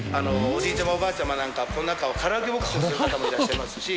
おじいちゃまおばあちゃまなんかはこの中をカラオケボックスにする方もいらっしゃいますし。